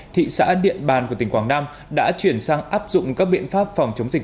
thị xã điện bàn của tỉnh quảng nam đã chuyển sang áp dụng các biện pháp phòng chống dịch